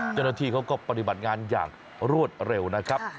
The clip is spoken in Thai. เจ้าหน้าที่เขาก็ปฏิบัติงานอย่างรวดเร็วนะครับ